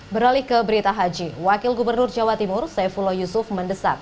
beralih ke berita haji wakil gubernur jawa timur saifullah yusuf mendesak